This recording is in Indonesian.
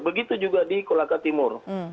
begitu juga di kolaka timur